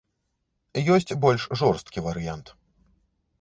Ёсць больш жорсткі варыянт.